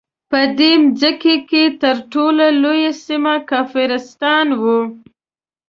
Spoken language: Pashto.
په دې مځکو کې تر ټولو لویه سیمه کافرستان وو.